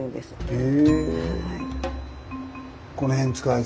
へえ。